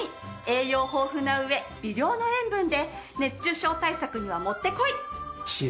栄養豊富な上微量の塩分で熱中症対策にはもってこい。